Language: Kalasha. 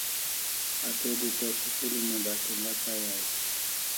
Atril'i to school Una dak'ila kai ais